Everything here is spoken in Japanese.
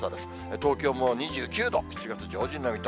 東京も２９度、７月上旬並みと。